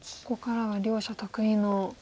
ここからは両者得意の。